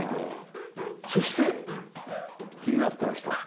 そして気になってました。